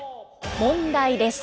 問題です。